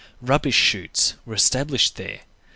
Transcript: Rubbish shoots were established there.